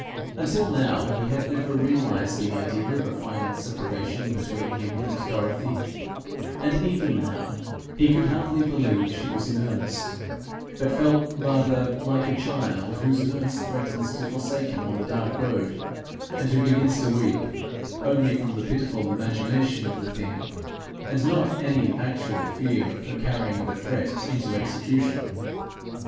Until now he had never realized the idea of a final separation between him and Dorothy; and even now, he could hardly believe she was in earnest, but felt, rather, like a child whose nurse threatens to forsake him on the dark road, and who begins to weep only from the pitiful imagination of the thing, and not any actual fear of her carrying the threat into execution.